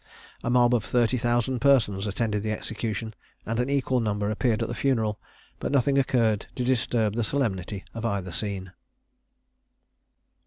A mob of thirty thousand persons attended the execution, and an equal number appeared at the funeral, but nothing occurred to disturb the solemnity of either scene.